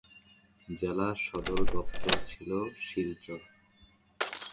জেলা সদর দপ্তর ছিল শিলচর।